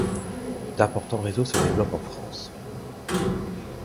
D'importants réseaux se développent en France.